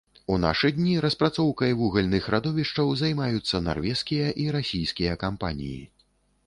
У нашы дні распрацоўкай вугальных радовішчаў займаюцца нарвежскія і расійскія кампаніі.